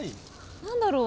何だろう？